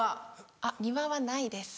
あっ庭はないです。